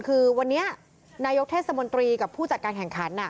คือวันนี้นายกเทศมนตรีกับผู้จัดการแข่งขัน